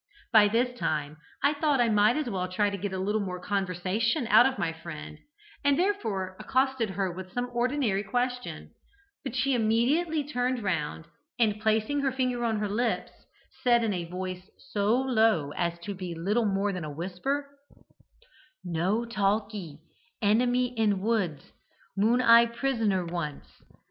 By this time, I thought I might as well try to get a little more conversation out of my friend, and therefore accosted her with some ordinary question, but she immediately turned round and, placing her finger on her lips, said, in a voice so low as to be little more than a whisper: "'No talkee enemy in woods. Moon eye prisoner once.